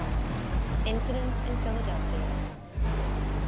XXXI. Incidents In Philadelphia.